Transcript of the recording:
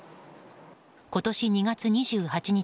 今年２月２８日